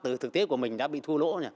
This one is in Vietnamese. từ thực tế của mình đã bị thua lỗ